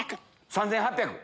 ３８００円！